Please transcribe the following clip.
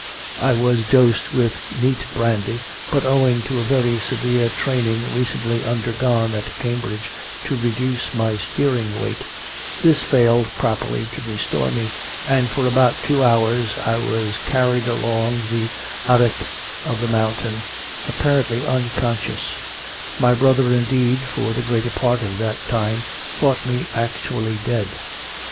I was dosed with neat brandy, but owing to very severe training recently undergone at Cambridge to reduce my steering weight, this failed properly to restore me, and for about two hours I was carried along the arete of the mountain 26 CONFESSIONS OF A CONVERT apparently unconscious: my brother, indeed, for the greater part of that time thought me actually dead.